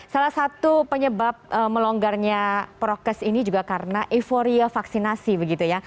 salah satu penyebab melonggarnya prokes ini juga karena euforia vaksinasi begitu ya